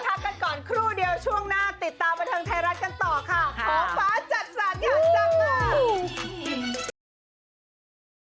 แล้วเดี๋ยวช่วงนี้พักกันก่อนครู่เดียวช่วงหน้า